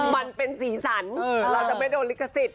มันเป็นสีสันเราจะไม่โดนลิขสิทธิ